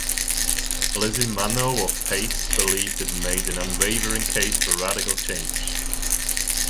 Lizzie Manno of "Paste" believed it made an "unwavering case for radical change".